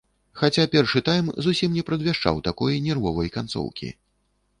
Хаця першы тайм зусім не прадвяшчаў такой нервовай канцоўкі.